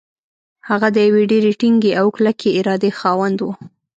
هغه د يوې ډېرې ټينګې او کلکې ارادې خاوند و.